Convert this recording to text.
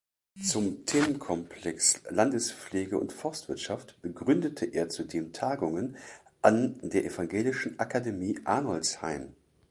Zum Themenkomplex „Landespflege und Forstwirtschaft“ begründete er zudem Tagungen an der evangelischen Akademie Arnoldshain.